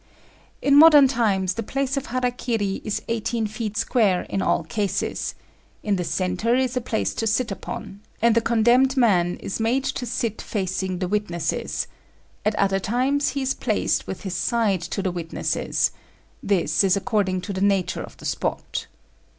In modern times the place of hara kiri is eighteen feet square in all cases; in the centre is a place to sit upon, and the condemned man is made to sit facing the witnesses; at other times he is placed with his side to the witnesses: this is according to the nature of the spot.